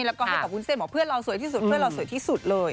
แล้วก็ให้กับวุ้นเส้นบอกเพื่อนเราสวยที่สุดเพื่อนเราสวยที่สุดเลย